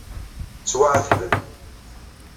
Ttwaɛettben.